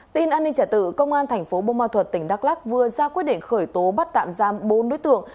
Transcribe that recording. tin an ninh trả tự công an tp bông ma thuật tỉnh đắk lắc vừa ra quyết định khởi tố bắt tạm giam bốn đối tượng